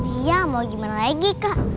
iya mau gimana lagi kak